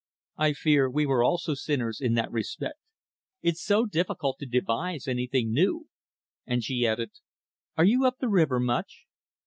"I fear we were also sinners in that respect. It's so difficult to devise anything new." And she added, "Are you up the river much?"